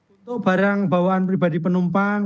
untuk barang bawaan pribadi penumpang